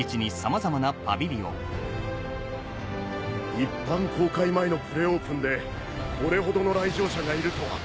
一般公開前のプレオープンでこれほどの来場者がいるとは。